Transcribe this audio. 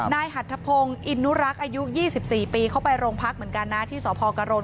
หัทธพงศ์อินนุรักษ์อายุ๒๔ปีเข้าไปโรงพักเหมือนกันนะที่สพกรณ